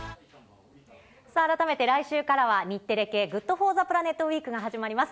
さあ、改めて来週からは、日テレ系ＧｏｏｄＦｏｒｔｈｅＰｌａｎｅｔウイークが始まります。